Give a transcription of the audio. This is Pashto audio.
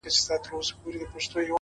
پوهه د وېرې تیاره کموي.!